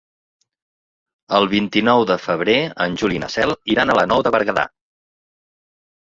El vint-i-nou de febrer en Juli i na Cel iran a la Nou de Berguedà.